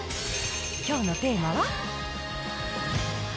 きょうのテーマは。